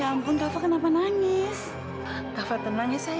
sehingga ricky berbicara tentangaddline dan suatu klien pemilik komunikasi sistem